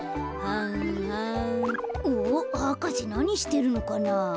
お博士なにしてるのかな？